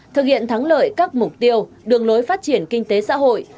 thực hiện thắng lợi các mục tiêu đường lối phát triển kinh tế xã hội